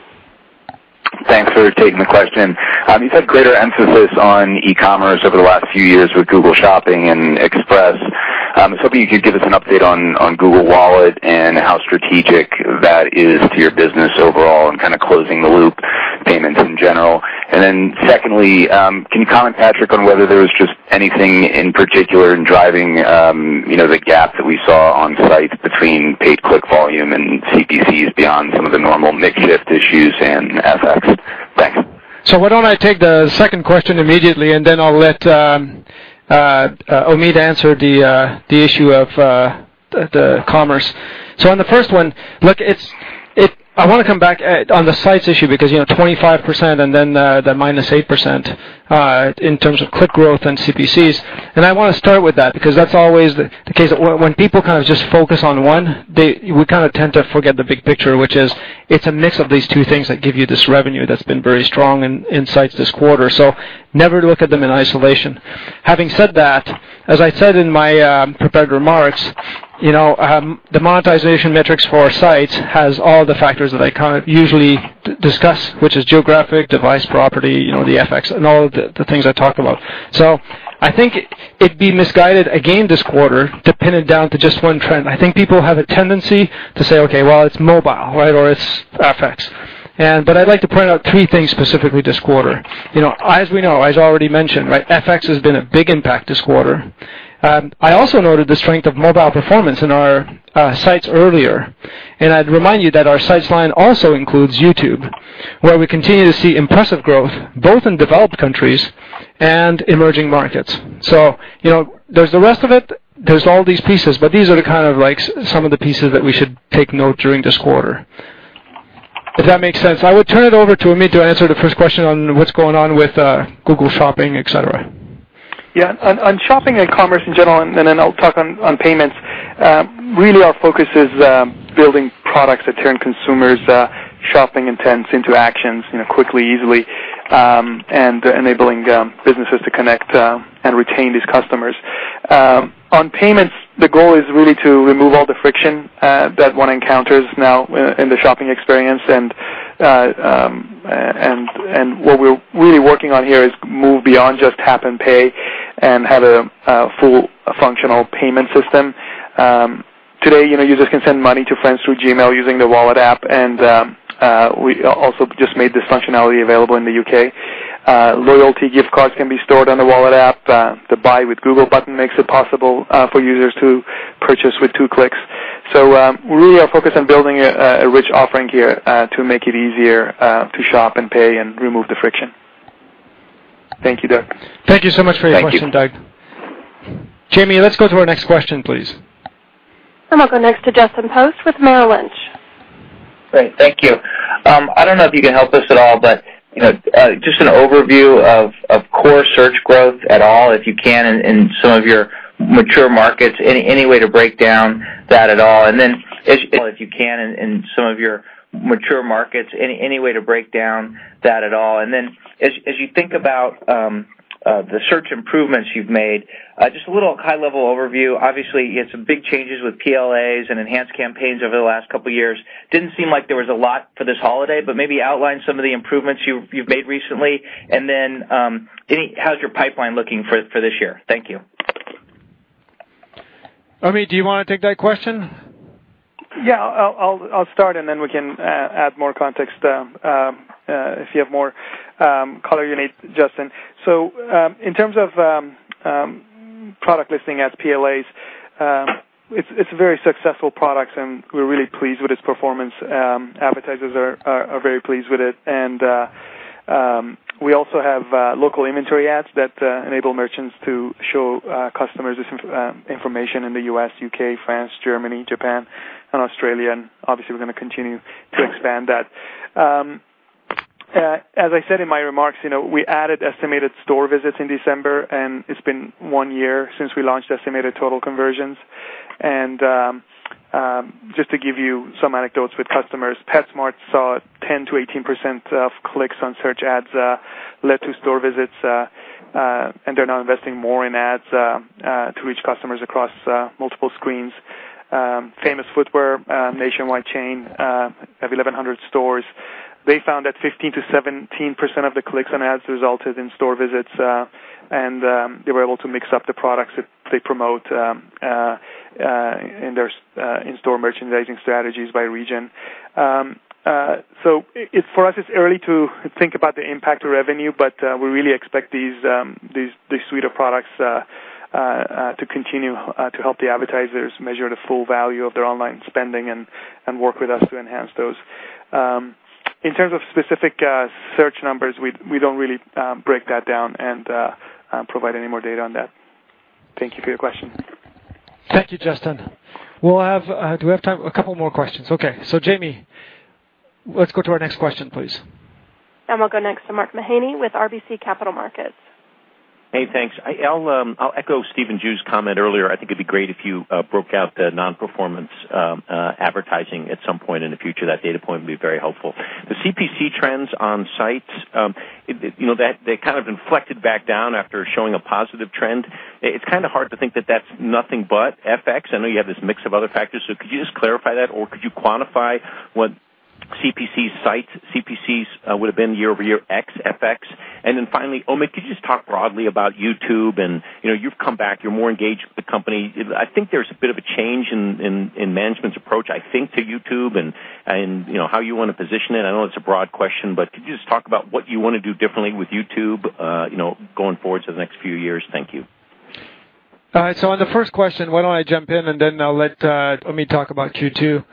Thanks for taking the question. You've had greater emphasis on e-commerce over the last few years with Google Shopping and Express. I was hoping you could give us an update on Google Wallet and how strategic that is to your business overall and kind of closing the loop payments in general. And then secondly, can you comment, Patrick, on whether there was just anything in particular in driving the gap that we saw on site between paid click volume and CPCs beyond some of the normal seasonal issues and FX? Thanks. So why don't I take the second question immediately, and then I'll let Omid answer the issue of the commerce. So on the first one, look, I want to come back on the sites issue because 25% and then the -8% in terms of click growth and CPCs. And I want to start with that because that's always the case. When people kind of just focus on one, we kind of tend to forget the big picture, which is it's a mix of these two things that give you this revenue that's been very strong in sites this quarter. So never look at them in isolation. Having said that, as I said in my prepared remarks, the monetization metrics for our sites has all the factors that I kind of usually discuss, which is geographic, device, property, the FX, and all the things I talked about. So I think it'd be misguided again this quarter to pin it down to just one trend. I think people have a tendency to say, "Okay, well, it's mobile," right, or it's FX. But I'd like to point out three things specifically this quarter. As we know, as I already mentioned, right, FX has been a big impact this quarter. I also noted the strength of mobile performance in our sites earlier. And I'd remind you that our sites line also includes YouTube, where we continue to see impressive growth both in developed countries and emerging markets. So there's the rest of it, there's all these pieces, but these are kind of some of the pieces that we should take note during this quarter. If that makes sense, I would turn it over to Omid to answer the first question on what's going on with Google Shopping, etc. Yeah. On shopping and commerce in general, and then I'll talk on payments. Really our focus is building products that turn consumers' shopping intents into actions quickly, easily, and enabling businesses to connect and retain these customers. On payments, the goal is really to remove all the friction that one encounters now in the shopping experience. And what we're really working on here is move beyond just tap and pay and have a full functional payment system. Today, users can send money to friends through Gmail using the Wallet app. And we also just made this functionality available in the UK. Loyalty gift cards can be stored on the Wallet app. The Buy with Google button makes it possible for users to purchase with two clicks. Really our focus on building a rich offering here to make it easier to shop and pay and remove the friction. Thank you, Doug. Thank you so much for your question, Doug. Jamie, let's go to our next question, please. We'll go next to Justin Post with Merrill Lynch. Great. Thank you. I don't know if you can help us at all, but just an overview of core search growth at all, if you can, in some of your mature markets, any way to break down that at all. And then as you think about the search improvements you've made, just a little high-level overview. Obviously, it's a big changes with PLAs and enhanced campaigns over the last couple of years. Didn't seem like there was a lot for this holiday, but maybe outline some of the improvements you've made recently. And then how's your pipeline looking for this year? Thank you. Omid, do you want to take that question? Yeah. I'll start, and then we can add more context if you have more color you need, Justin. So in terms of product listing ads, PLAs, it's a very successful product, and we're really pleased with its performance. Advertisers are very pleased with it. And we also have local inventory ads that enable merchants to show customers this information in the U.S., U.K., France, Germany, Japan, and Australia. And obviously, we're going to continue to expand that. As I said in my remarks, we added estimated store visits in December, and it's been one year since we launched estimated total conversions. And just to give you some anecdotes with customers, PetSmart saw 10%-18% of clicks on search ads led to store visits, and they're now investing more in ads to reach customers across multiple screens. Famous Footwear, a nationwide chain of 1,100 stores, they found that 15%-17% of the clicks on ads resulted in store visits. And they were able to mix up the products that they promote in their in-store merchandising strategies by region. So for us, it's early to think about the impact of revenue, but we really expect this suite of products to continue to help the advertisers measure the full value of their online spending and work with us to enhance those. In terms of specific search numbers, we don't really break that down and provide any more data on that. Thank you for your question. Thank you, Justin. We'll have a couple more questions. Okay, so Jamie, let's go to our next question, please. We'll go next to Mark Mahaney with RBC Capital Markets. Hey, thanks. I'll echo Stephen Ju's comment earlier. I think it'd be great if you broke out the non-performance advertising at some point in the future. That data point would be very helpful. The CPC trends on sites, they kind of inflected back down after showing a positive trend. It's kind of hard to think that that's nothing but FX. I know you have this mix of other factors. So could you just clarify that, or could you quantify what CPC sites, CPCs would have been year-over-year ex-FX? And then finally, Omid, could you just talk broadly about YouTube? And you've come back. You're more engaged with the company. I think there's a bit of a change in management's approach, I think, to YouTube and how you want to position it. I know it's a broad question, but could you just talk about what you want to do differently with YouTube going forward to the next few years? Thank you. All right. So on the first question, why don't I jump in, and then I'll let Omid talk about Q2.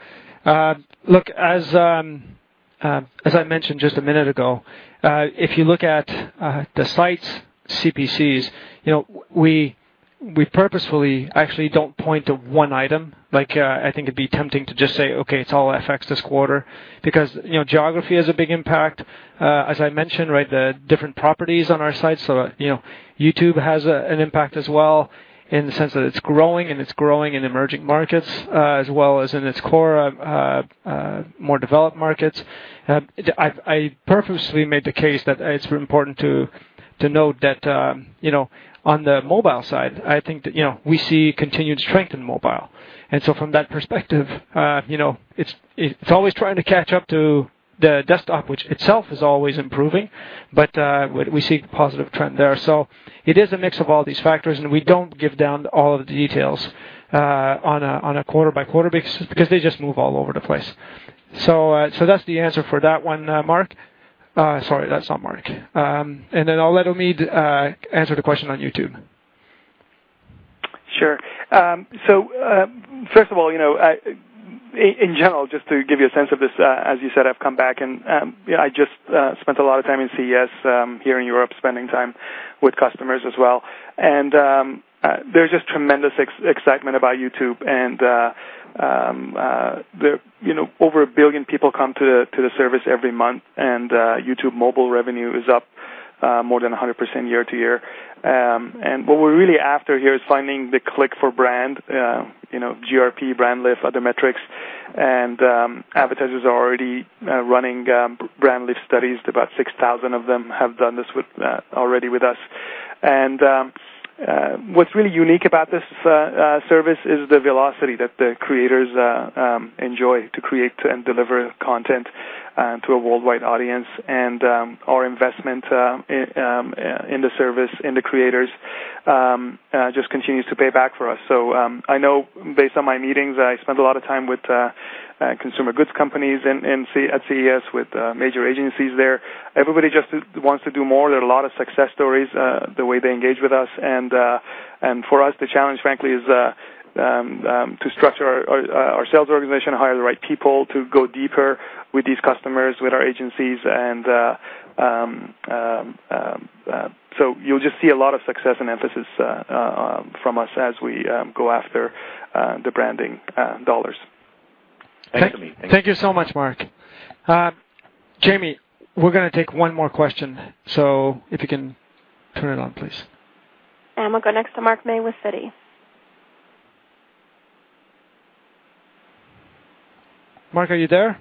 Look, as I mentioned just a minute ago, if you look at the sites CPCs, we purposefully actually don't point to one item. I think it'd be tempting to just say, "Okay, it's all FX this quarter," because geography has a big impact. As I mentioned, right, the different properties on our sites. So YouTube has an impact as well in the sense that it's growing, and it's growing in emerging markets as well as in its core more developed markets. I purposely made the case that it's important to note that on the mobile side, I think that we see continued strength in mobile. And so from that perspective, it's always trying to catch up to the desktop, which itself is always improving, but we see a positive trend there. So it is a mix of all these factors, and we don't drill down all of the details on a quarter-by-quarter basis because they just move all over the place. So that's the answer for that one, Mark. Sorry, that's not Mark. And then I'll let Omid answer the question on YouTube. Sure. So first of all, in general, just to give you a sense of this, as you said, I've come back, and I just spent a lot of time in CES here in Europe spending time with customers as well. And there's just tremendous excitement about YouTube. And over a billion people come to the service every month, and YouTube mobile revenue is up more than 100% year to year. And what we're really after here is finding the click for brand, GRP, Brand Lift, other metrics. And advertisers are already running Brand Lift studies. About 6,000 of them have done this already with us. And what's really unique about this service is the velocity that the creators enjoy to create and deliver content to a worldwide audience. And our investment in the service, in the creators, just continues to pay back for us. I know based on my meetings, I spent a lot of time with consumer goods companies at CES with major agencies there. Everybody just wants to do more. There are a lot of success stories the way they engage with us. And for us, the challenge, frankly, is to structure our sales organization, hire the right people to go deeper with these customers, with our agencies. And so you'll just see a lot of success and emphasis from us as we go after the branding dollars. Thank you, Omid. Thank you. Thank you so much, Mark. Jamie, we're going to take one more question, so if you can turn it on, please. We'll go next to Mark May with Citi. Mark, are you there?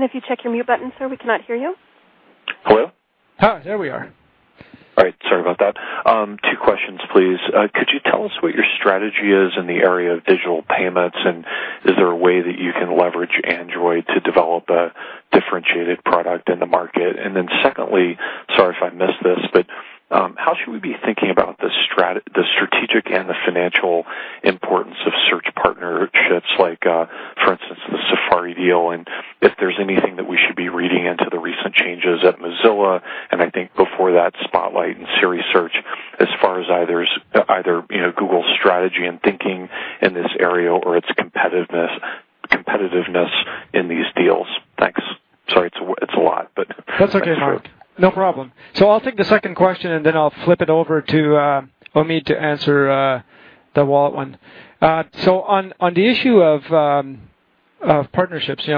If you check your mute button, sir, we cannot hear you. Hello? Hi. There we are. All right. Sorry about that. Two questions, please. Could you tell us what your strategy is in the area of digital payments, and is there a way that you can leverage Android to develop a differentiated product in the market? And then secondly, sorry if I missed this, but how should we be thinking about the strategic and the financial importance of search partnerships, like for instance, the Safari deal? And if there's anything that we should be reading into the recent changes at Mozilla, and I think before that, Spotlight and Siri Search, as far as either Google's strategy and thinking in this area or its competitiveness in these deals. Thanks. Sorry, it's a lot, but. That's okay, sir. No problem. So I'll take the second question, and then I'll flip it over to Omid to answer the Wallet one. So on the issue of partnerships,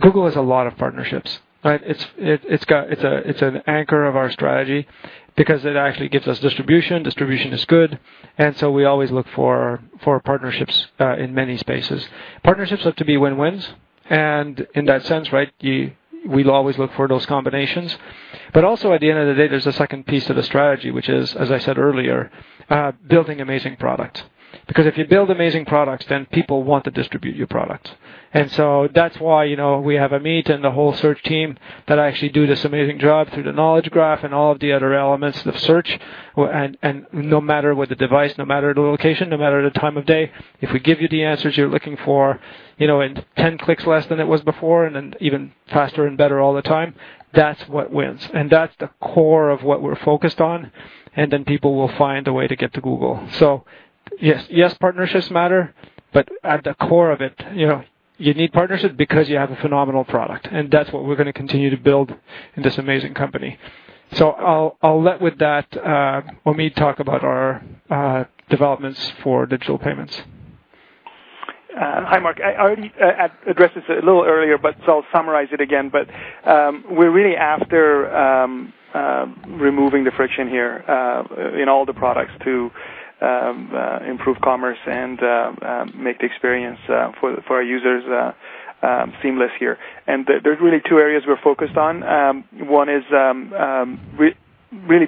Google has a lot of partnerships, right? It's an anchor of our strategy because it actually gives us distribution. Distribution is good. And so we always look for partnerships in many spaces. Partnerships have to be win-wins. And in that sense, right, we'll always look for those combinations. But also at the end of the day, there's a second piece of the strategy, which is, as I said earlier, building amazing products. Because if you build amazing products, then people want to distribute your products. And so that's why we have Omid and the whole search team that actually do this amazing job through the Knowledge Graph and all of the other elements of search. And no matter what the device, no matter the location, no matter the time of day, if we give you the answers you're looking for in 10 clicks less than it was before and even faster and better all the time, that's what wins. And that's the core of what we're focused on. And then people will find a way to get to Google. So yes, partnerships matter, but at the core of it, you need partnerships because you have a phenomenal product. And that's what we're going to continue to build in this amazing company. So I'll let with that, Omid talk about our developments for digital payments. Hi, Mark. I already addressed this a little earlier, but so I'll summarize it again. But we're really after removing the friction here in all the products to improve commerce and make the experience for our users seamless here. And there's really two areas we're focused on. One is really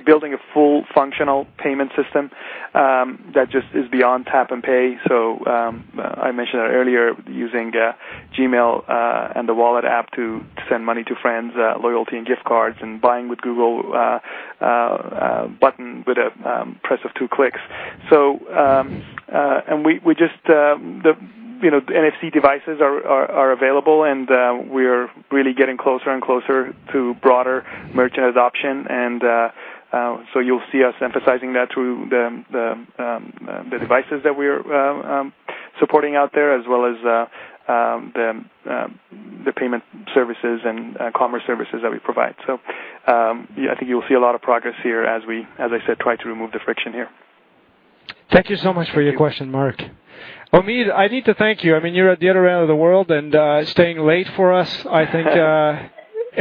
building a full functional payment system that just is beyond tap and pay. So I mentioned that earlier, using Gmail and the Wallet app to send money to friends, loyalty and gift cards, and buying with Google button with a press of two clicks. And we just the NFC devices are available, and we're really getting closer and closer to broader merchant adoption. And so you'll see us emphasizing that through the devices that we're supporting out there, as well as the payment services and commerce services that we provide. so I think you'll see a lot of progress here as we, as I said, try to remove the friction here. Thank you so much for your question, Mark. Omid, I need to thank you. I mean, you're at the other end of the world, and staying late for us, I think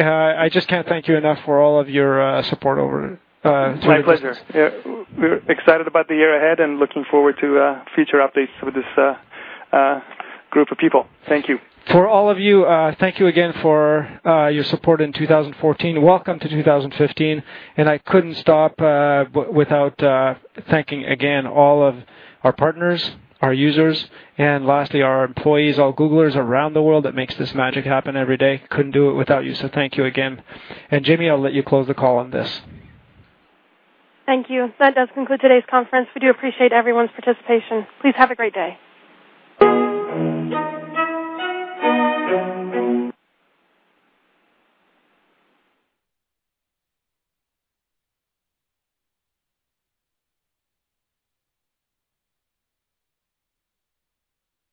I just can't thank you enough for all of your support over the last year. My pleasure. We're excited about the year ahead and looking forward to future updates with this group of people. Thank you. For all of you, thank you again for your support in 2014. Welcome to 2015. I couldn't stop without thanking again all of our partners, our users, and lastly, our employees, all Googlers around the world that makes this magic happen every day. Couldn't do it without you. Thank you again. Jamie, I'll let you close the call on this. Thank you. That does conclude today's conference. We do appreciate everyone's participation. Please have a great day.